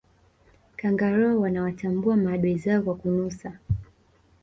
kangaroo wanawatambua maadui zao kwa kunusa